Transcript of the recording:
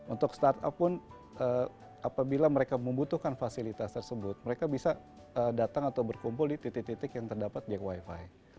untuk startup pun apabila mereka membutuhkan fasilitas tersebut mereka bisa datang atau berkumpul di titik titik yang terdapat jak wifi